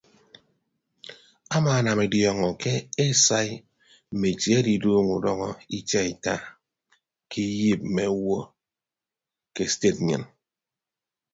Amaanam ediọọñọ ke esai mme itie adiduuñọ udọñọ itiaita ke iyiip mme owo mi ke sted nnyịn.